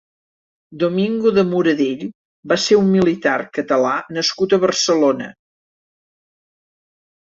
Domingo de Moradell va ser un militar Català nascut a Barcelona.